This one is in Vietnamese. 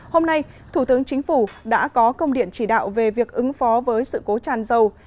hôm nay thủ tướng chính phủ đã có công điện chỉ đạo về việc ứng phó với sự cố tràn dầu